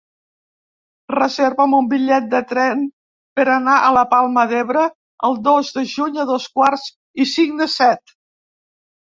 Reserva'm un bitllet de tren per anar a la Palma d'Ebre el dos de juny a dos quarts i cinc de set.